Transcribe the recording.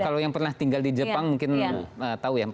kalau yang pernah tinggal di jepang mungkin tahu ya